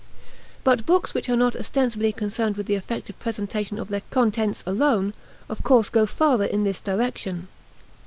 But books which are not ostensibly concerned with the effective presentation of their contents alone, of course go farther in this direction.